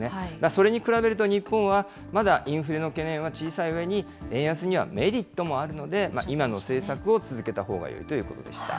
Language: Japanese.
それに比べると日本は、まだインフレの懸念は小さいうえに、円安にはメリットもあるので、今の政策を続けたほうがよいということでした。